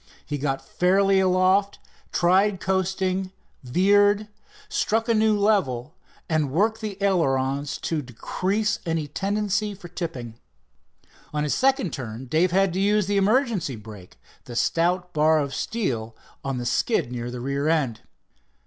He got fairly aloft, tried coasting, veered, struck a new level, and worked the ailerons to decrease any tendency for tipping. On his second turn Dave had to use the emergency brake, the stout bar of steel on the skid near the rear end.